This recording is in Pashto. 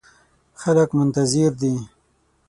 خلګ منتظر دي